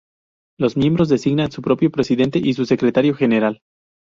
Los miembros designan su propio Presidente y su Secretario General.